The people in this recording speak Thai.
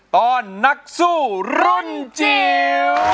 ตอนนักสู้รุ่นจิ๋ว